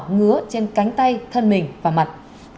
ngứa trên cánh tay thân mình và mặt